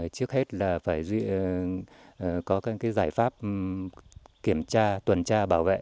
trước hết là phải có các giải pháp kiểm tra tuần tra bảo vệ